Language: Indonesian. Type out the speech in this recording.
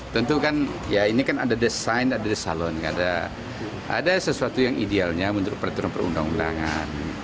tentu kan ya ini kan ada desain ada desalon ada sesuatu yang idealnya menurut peraturan perundang undangan